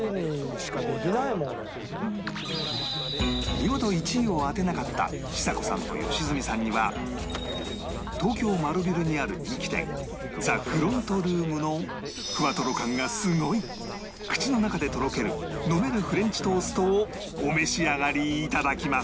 見事１位を当てなかったちさ子さんと良純さんには東京丸ビルにある人気店 ＴＨＥＦＲＯＮＴＲＯＯＭ のふわトロ感がすごい口の中でとろける飲めるフレンチトーストをお召し上がり頂きます